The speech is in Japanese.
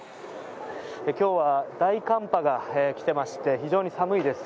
今日は大寒波が来ていまして、非常に寒いです。